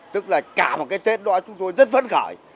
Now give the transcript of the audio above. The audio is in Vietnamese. tức là cả một cái tết đó chúng tôi rất phấn khởi